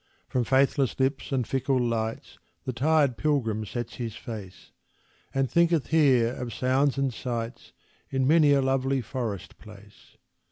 From faithless lips and fickle lights The tired pilgrim sets his face, And thinketh here of sounds and sights In many a lovely forest place.